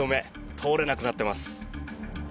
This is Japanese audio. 通れなくなっています。